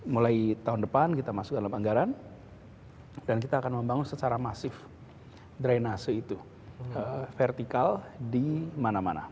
mulai tahun depan kita masuk dalam anggaran dan kita akan membangun secara masif drenase itu vertikal di mana mana